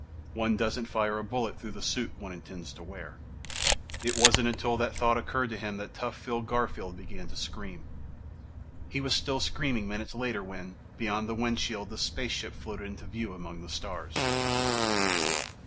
One doesn't fire a bullet through the suit one intends to wear.... It wasn't until that thought occurred to him that tough Phil Garfield began to scream. He was still screaming minutes later when, beyond the windshield, the spaceship floated into view among the stars.